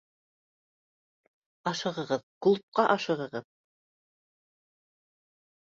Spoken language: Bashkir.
— Ашығығыҙ, клубҡа ашығығыҙ